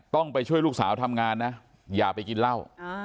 ต้องไปช่วยลูกสาวทำงานนะอย่าไปกินเหล้า